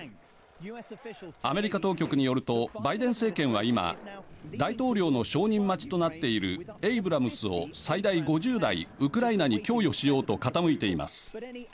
アメリカ当局によるとバイデン政権は今大統領の承認待ちとなっているエイブラムスを最大５０台、ウクライナに供与しようと傾いています。